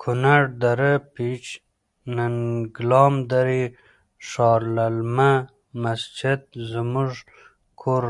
کنړ.دره پیج.ننګلام.دری ښار.للمه.مسجد زموړږ کور